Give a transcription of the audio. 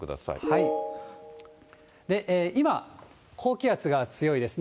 今、高気圧が強いです。